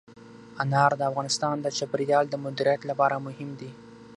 انار د افغانستان د چاپیریال د مدیریت لپاره مهم دي.